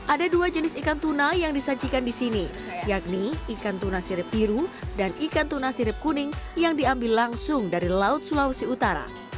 ada dua jenis ikan tuna yang disajikan di sini yakni ikan tuna sirip biru dan ikan tuna sirip kuning yang diambil langsung dari laut sulawesi utara